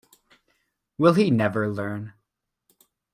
Will he never learn?